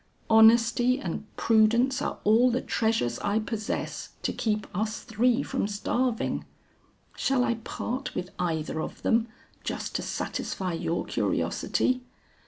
"Honesty and prudence are all the treasures I possess to keep us three from starving. Shall I part with either of them just to satisfy your curiosity?"